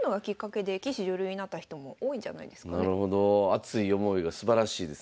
熱い思いがすばらしいですね。